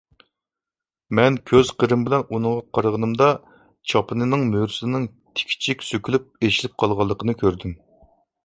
مەن كۆز قىرىم بىلەن ئۇنىڭغا قارىغىنىمدا، چاپىنىنىڭ مۈرىسىنىڭ تىكىچى سۆكۈلۈپ ئېچىلىپ قالغانلىقىنى كۆردۈم.